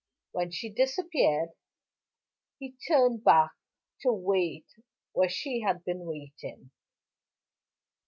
When she disappeared, he turned back to wait where she had been waiting.